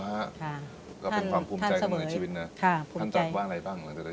ก็เป็นความภูมิใจทั้งหมดในชีวิตนะค่ะภูมิใจท่านจังว่าอะไรบ้าง